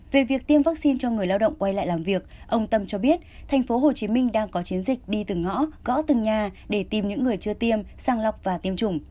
về việc tiêm vaccine cho người lao động quay lại làm việc ông tâm cho biết thành phố hồ chí minh đang có chiến dịch đi từ ngõ gõ từng nhà để tìm những người chưa tiêm sang lọc và tiêm chủng